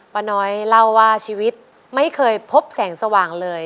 ป้าน้อยเล่าว่าชีวิตไม่เคยพบแสงสว่างเลย